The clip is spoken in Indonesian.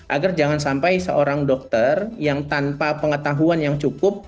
agar jangan sampai seorang dokter yang tanpa pengetahuan yang cukup